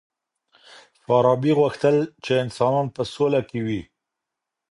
فارابي غوښتل چی انسانان په سوله کي وي.